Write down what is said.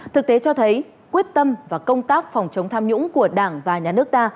thực tế cho thấy quyết tâm và công tác phòng chống tham nhũng của đảng và nhà nước ta